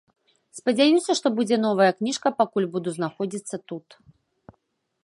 Спадзяюся, што будзе новая кніжка, пакуль буду знаходзіцца тут.